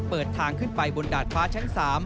เปิดทางขึ้นไปบนดาดฟ้าชั้น๓